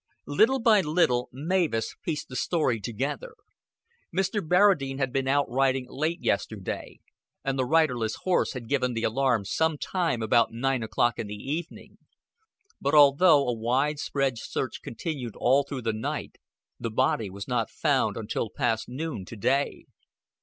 Little by little Mavis pieced the story together. Mr. Barradine had been out riding late yesterday, and the riderless horse had given the alarm some time about nine o'clock in the evening. But, although a wide spread search continued all through the night, the body was not found until past noon to day.